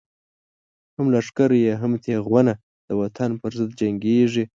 هم لښکر هم یی تیغونه، د وطن پر ضد جنگیږی